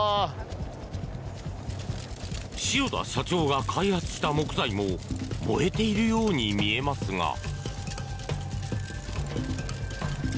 塩田社長が開発した木材も燃えているように見えますが。